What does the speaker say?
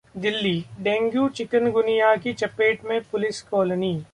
Delhi: dengue, chikungunya की चपेट में पुलिस कॉलोनी